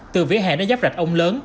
từ vỉa hẹn ở giáp rạch ông lớn